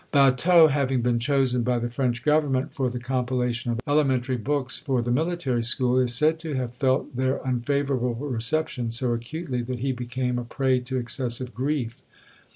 Batteux having been chosen by the French government for the compilation of elementary hooks for the Military School, is said to have felt their unfavourable reception so acutely, that he became a prey to excessive grief.